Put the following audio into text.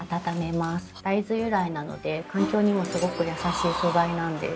大豆由来なので環境にもすごく優しい素材なんです。